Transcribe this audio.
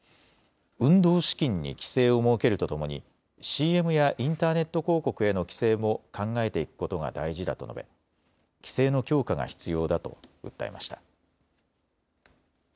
運動資金に規制を設けるとともにＣＭやインターネット広告への規制も考えていくことが大事だと述べ規制の強化が必要だと訴えました。